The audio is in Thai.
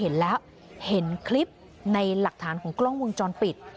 เห็นแล้วเห็นคลิปในหลักฐานของกล้องวงจรปิด